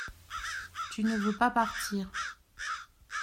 Tu ne veux pas partir.